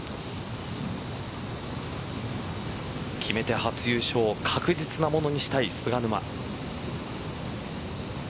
決めて初優勝を確実なものにしたい菅沼。